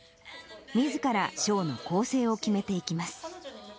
みずから、ショーの構成を決めていきます。